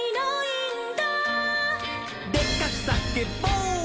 「でっかくさけぼう」